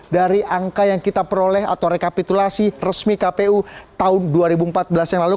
dari angka yang kita peroleh atau rekapitulasi resmi kpu tahun dua ribu empat belas yang lalu